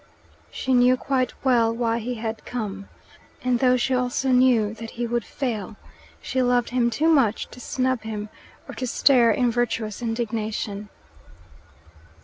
She knew quite well why he had come, and though she also knew that he would fail, she loved him too much to snub him or to stare in virtuous indignation.